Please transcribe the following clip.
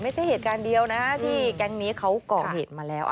ไม่ใช่เหตุการณ์เดียวนะที่แก๊งนี้เขาก่อเหตุมาแล้ว